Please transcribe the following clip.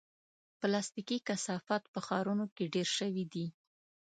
پلاستيکي کثافات په ښارونو کې ډېر شوي دي.